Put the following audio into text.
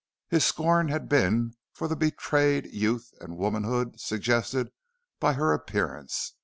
His scorn had been for the betrayed youth and womanhood suggested by her appearance.